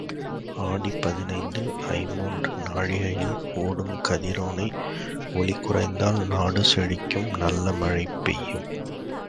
ஆடி பதினைந்தில் ஐம்மூன்று நாழிகையில் ஓடும் கதிரோன ஒளிகுறைந்தால் நாடு செழிக்கும் நல்ல மழை பெய்யும்.